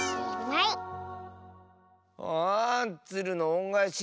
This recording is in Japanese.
あ「つるのおんがえし」